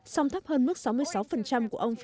song thấp hơn mức sáu mươi sáu của ông